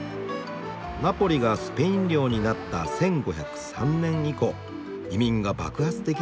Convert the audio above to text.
「ナポリがスペイン領になった１５０３年以降移民が爆発的に増加。